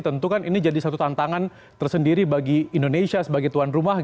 tentu kan ini jadi satu tantangan tersendiri bagi indonesia sebagai tuan rumah